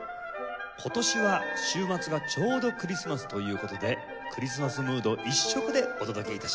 今年は週末がちょうどクリスマスという事でクリスマスムード一色でお届け致します。